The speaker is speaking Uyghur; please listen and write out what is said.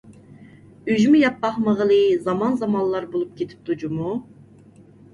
ئۈجمە يەپ باقمىغىلى زامان-زامانلار بولۇپ كېتىپتۇ جۇمۇ.